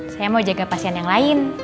saya mau jaga pasien yang lain